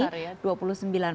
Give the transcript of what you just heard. paling besar ya